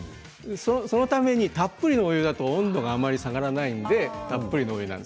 そのためにたっぷりのお湯だと温度が、あまり下がらないのでたっぷりのお湯です。